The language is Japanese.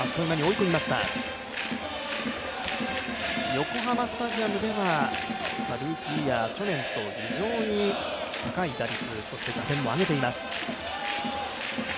横浜スタジアムでは、ルーキーイヤー去年と非常に高い打率、そして打点も挙げています。